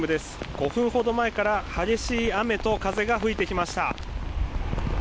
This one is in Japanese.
５分ほど前から激しい雨と風が吹いてきました。